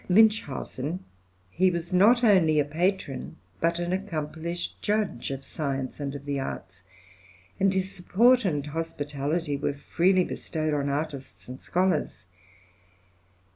Like Münchhausen, he was not only a patron, but an accomplished judge of science and of the arts, and his support and hospitality were freely bestowed on artists and scholars.